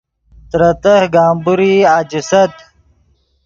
ترے تہہ گمبورئی اَجیست